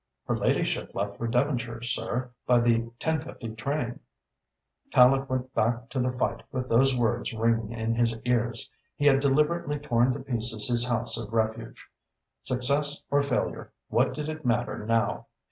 "Her ladyship left for Devonshire, sir, by the ten fifty train." Tallente went back to the fight with those words ringing in his ears. He had deliberately torn to pieces his house of refuge. Success or failure, what did it matter now?